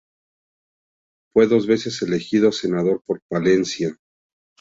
Fue dos veces elegido Senador por Palencia.